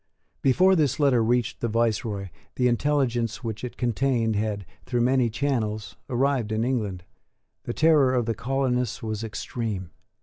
Before this letter reached the viceroy the intelligence which it contained had, through many channels, arrived in Ireland. The terror of the colonists was extreme.